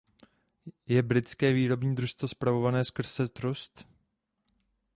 Je britské výrobní družstvo spravované skrze trust.